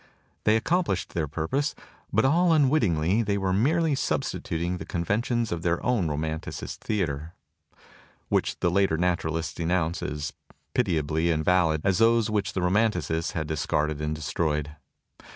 They accomplished their purpose; but all un wittingly they were merely substituting the con ventions of their own Romanticist theater, which the later Naturalists denounced as pitiably invalid as those which the Romanticists had discarded and destroyed.